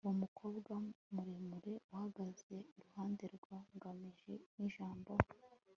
uwo mukobwa muremure uhagaze iruhande rwa ngamije ni jabo